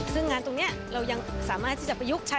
ซึ่งงานตรงนี้เรายังสามารถที่จะประยุกต์ใช้